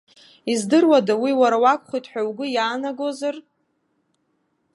Издыруада уи уара уакәхоит ҳәа угәы иаанагозар?